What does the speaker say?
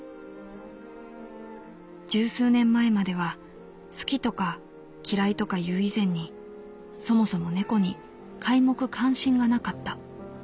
「十数年前までは好きとか嫌いとかいう以前にそもそも猫に皆目関心がなかった。